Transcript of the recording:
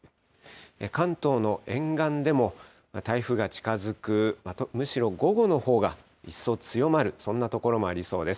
関東の沿岸でも台風が近づく、むしろ午後のほうが一層強まる、そんな所もありそうです。